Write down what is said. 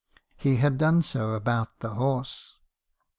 He had done so about the horse.